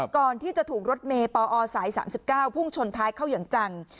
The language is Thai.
ก่อนที่จะถูกรถเมย์ปอสาย๓๙พุ่งชนท้ายเข้าอย่างจัง